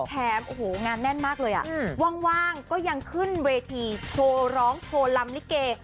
แถมโอ้โหงานแน่นมากเลยอ่ะว่างก็ยังขึ้นเวทีโชว์ร้องโชว์ลำลิเก